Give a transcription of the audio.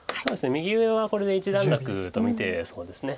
右上はこれで一段落と見てそうです。